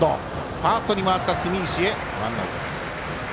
ファーストに回った住石へワンアウトです。